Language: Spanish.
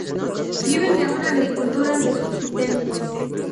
Viven de una agricultura de subsistencia.